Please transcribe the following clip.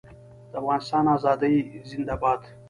د افغانستان ازادي زنده باد.